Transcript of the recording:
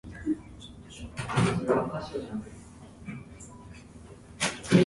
Carbenicillin is also more stable at lower pH than ampicillin.